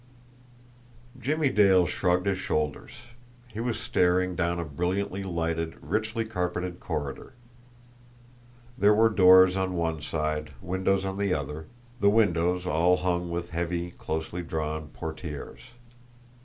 Jimmie Dale shrugged his shoulders. He was staring down a brilliantly lighted, richly carpeted corridor. There were doors on one side, windows on the other, the windows all hung with heavy, closely drawn portieres.